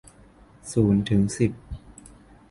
ศูนย์ถึงสิบ